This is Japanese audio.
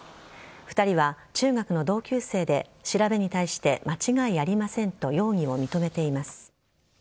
２人は中学の同級生で調べに対して間違いありませんと容疑を認めています。